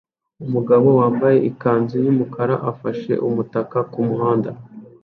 Umugabo wambaye ikanzu yumukara afashe umutaka kumuhanda